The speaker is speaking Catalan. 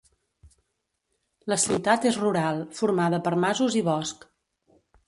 La ciutat és rural, formada per masos i bosc.